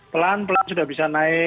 pelan pelan sudah bisa naik